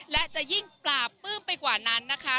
และจะยิ่งปราบปื้มไปกว่านั้นนะคะ